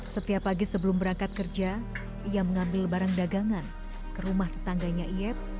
setiap pagi sebelum berangkat kerja ia mengambil barang dagangan ke rumah tetangganya iep